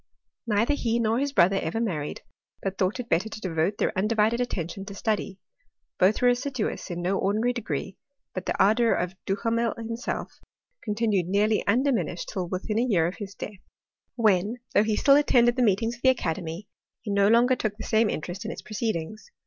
Neither he nor his brother ever married, but thought it better to devote their undivided attention to study. Both were assiduous in no ordinary degree, but the ardour of Duhamel himself continued nearly undi minished till within a year of his death ; when, though he still attended the meetings of the academy, he no longer took the same interest in its proceedings.